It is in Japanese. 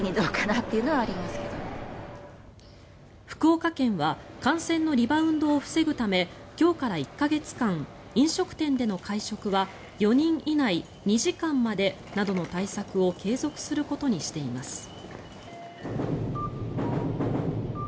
福岡県は感染のリバウンドを防ぐため今日から１か月間飲食店での会食は４人以内、２時間までなどの対策を継続することにしています。